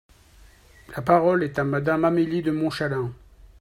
La parole est à Madame Amélie de Montchalin.